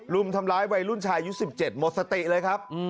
รุมทำร้ายวัยรุ่นชายุค๑๗หมดสติเลยครับ